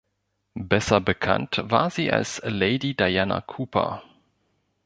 Besser bekannt war sie als Lady Diana Cooper.